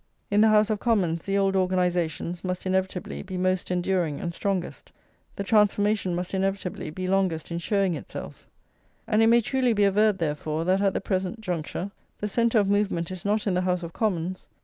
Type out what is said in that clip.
In the House of Commons the old organisations must inevitably be most enduring and strongest, the transformation must inevitably be longest in showing itself; and it may truly be averred, therefore, that at the present juncture the centre of movement is not in the House of Commons.